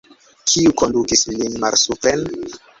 Kiu kondukis lin malsupren?